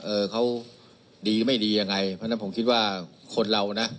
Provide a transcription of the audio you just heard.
เออเขาดีไม่ดียังไงเพราะฉะนั้นผมคิดว่าคนเรานะ